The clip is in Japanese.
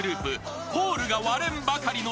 ［ホールが割れんばかりの］